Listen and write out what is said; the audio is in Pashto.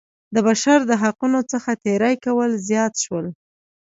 د بشر د حقونو څخه تېری کول زیات شول.